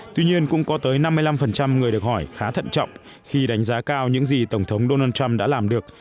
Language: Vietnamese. tuy nhiên cũng có tới năm mươi năm người được hỏi khá thận trọng khi đánh giá cao những gì tổng thống donald trump đã làm được